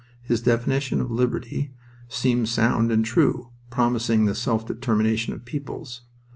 His definition of liberty seemed sound and true, promising the self determination of peoples.